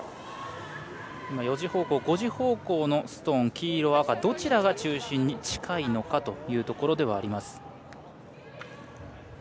４時方向、５時方向のストーン黄色、赤どちらが中心に近いのかというところです。